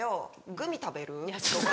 グミ食べる？」とか。